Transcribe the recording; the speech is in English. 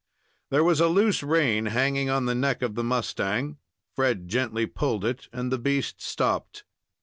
There was a loose rein hanging on the neck of the mustang. Fred gently pulled it and the beast stopped.